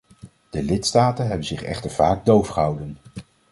De lidstaten hebben zich echter vaak doof gehouden.